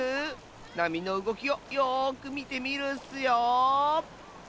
なみのうごきをよくみてみるッスよ。